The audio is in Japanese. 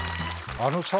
あのさぁ。